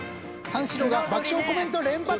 三四郎が爆笑コメント連発！